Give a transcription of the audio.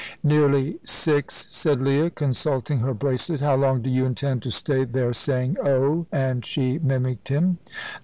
"Nearly six," said Leah, consulting her bracelet. "How long do you intend to stand there saying 'Oh!'?" and she mimicked him.